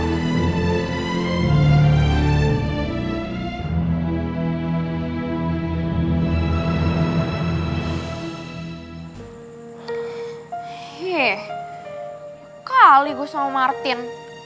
hei berapa kali gue sama martin